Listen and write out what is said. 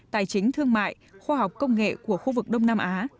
tài chính thương mại khoa học công nghệ của khu vực đông nam á